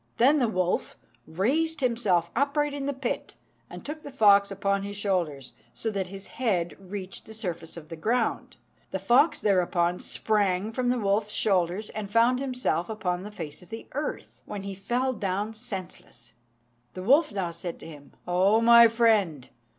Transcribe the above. Then the wolf raised himself upright in the pit, and took the fox upon his shoulders, so that his head reached the surface of the ground. The fox thereupon sprang from the wolf's shoulders, and found himself upon the face of the earth, when he fell down senseless. The wolf now said to him, "O my friend!